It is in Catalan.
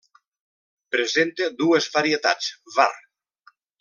Presenta dues varietats: var.